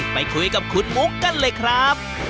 ไปคุยกับคุณมุกกันเลยครับ